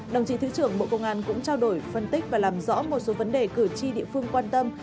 đồng chí thứ trưởng bộ công an cũng trao đổi phân tích và làm rõ một số vấn đề cử tri địa phương quan tâm